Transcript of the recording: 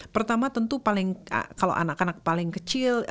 pertama tentu kalau anak anak paling kecil